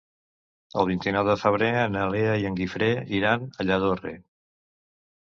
El vint-i-nou de febrer na Lea i en Guifré iran a Lladorre.